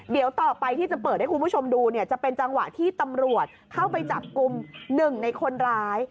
เดี๋ยวต่อไปที่จะเปิดให้คุณผู้ชมดูเนี่ยจะเป็นจังหวะที่ตำรวจเข้าไปจับกลุ่ม๑ในคนร้าย